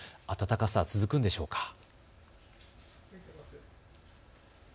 暖かさ、続くんでしょうか。